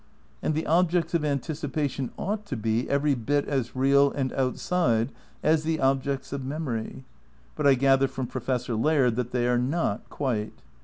And the objects of anticipation ought to be every bit as real and outside as the objects of memory; but I gather from Professor Laird that they are not — quite.